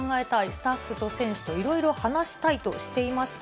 スタッフと選手といろいろ話したいとしていました。